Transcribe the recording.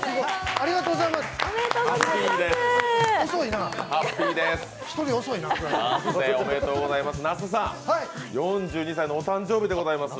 ありがとうございます。